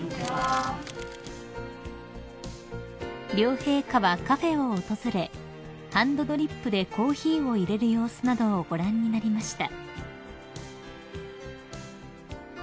［両陛下はカフェを訪れハンドドリップでコーヒーを入れる様子などをご覧になりました］